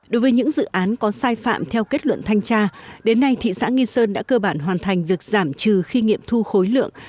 đối với những dự án có sai phạm theo kết luận thanh tra đến nay thị xã nghi sơn đã cơ bản hoàn thành việc giảm trừ khi nghiệm thu khối lượng